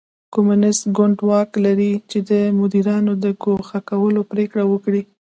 کمونېست ګوند واک لري چې د مدیرانو د ګوښه کولو پرېکړه وکړي.